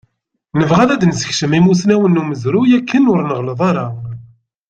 Nebɣa ad d-nessekcem imusnawen n umezruy akken ur nɣelleḍ ara.